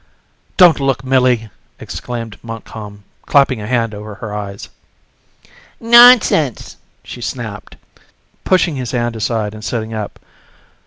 "Don't look, Millie!" exclaimed Montcalm, clapping a hand over her eyes. "Nonsense!" she snapped, pushing his hand aside and sitting up.